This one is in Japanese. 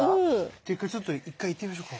っていうかちょっと一回いってみましょうか。